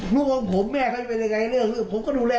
ลูกของผมแท้แค่